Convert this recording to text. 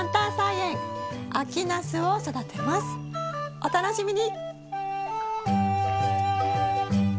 お楽しみに！